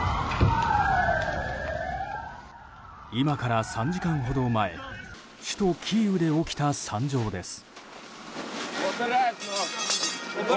今から３時間ほど前首都キーウで起きた惨状です。